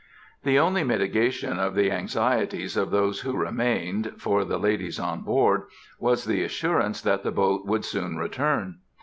The only mitigation of the anxieties of those who remained, for the ladies on board, was the assurance that the boat would soon return.